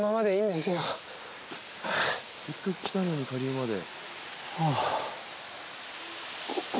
せっかく来たのに下流まで。